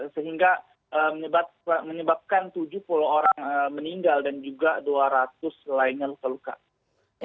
sehingga menyebabkan tujuh puluh orang meninggal dan juga dua ratus lainnya luka luka